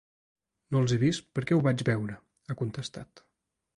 No els he vist perquè ho vaig veure, ha contestat.